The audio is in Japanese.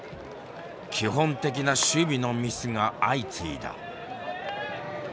基本的な守備のミスが相次いだ。